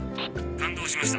感動しました。